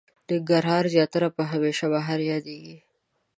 ننګرهار زياتره په هميشه بهار ياديږي.